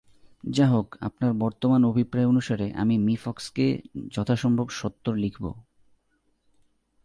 যা হোক, আপনার বর্তমান অভিপ্রায় অনুসারে আমি মি ফক্সকে যথাসম্ভব সত্বর লিখব।